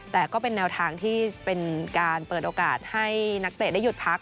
แต่ก็เป็นแนวทางที่เป็นการเปิดโอกาสให้นักเตะได้หยุดพัก